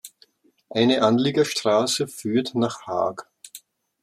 Eine Anliegerstraße führt nach Haag.